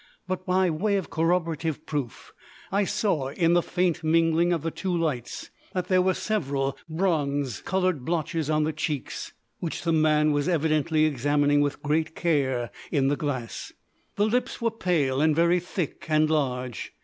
But, by way of corroborative proof, I saw in the faint mingling of the two lights that there were several bronze coloured blotches on the cheeks which the man was evidently examining with great care in the glass. The lips were pale and very thick and large.